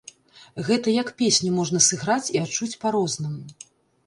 Гэта як песню можна сыграць і адчуць па-рознаму.